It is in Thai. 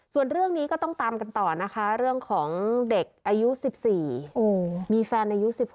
ส่วนเรื่องนี้ก็ต้องตามกันต่อนะคะเรื่องของเด็กอายุ๑๔มีแฟนอายุ๑๖